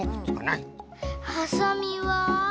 はさみは？